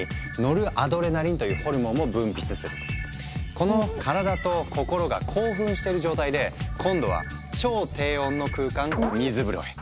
この体と心が興奮している状態で今度は超低温の空間「水風呂」へ。